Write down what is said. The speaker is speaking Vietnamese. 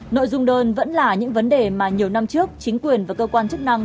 nội dung đơn vẫn là những vấn đề mà nhiều năm trước chính quyền và cơ quan chức năng